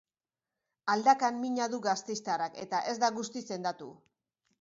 Aldakan mina du gasteiztarrak eta ez da guztiz sendatu.